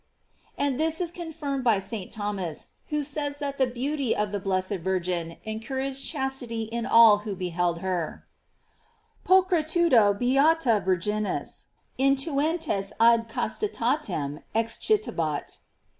"§ And this is confirmed by St. Thomas, who says that the beauty of the blessed Virgin encouraged chastity in all who beheld her: ''Pulchritude B. Virginis intuentes ad castitatem excitabat."